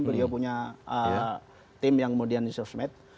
beliau punya tim yang kemudian disosmet